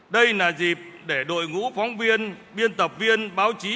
đây là dịp để đội ngũ phóng viên biên tập viên báo chí